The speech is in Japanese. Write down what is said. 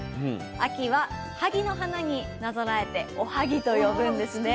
秋は萩の花になぞらえておはぎと呼ぶんですね。